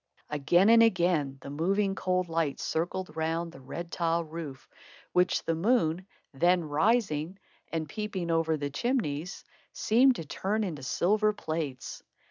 Again and again the moving, cold light circled round the red tile roof, which the moon, then rising and peeping over the chimneys, seemed to turn into silver plates.